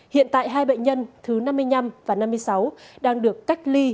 hiện tại hai bệnh nhân thứ năm mươi năm và năm mươi sáu đang được cách ly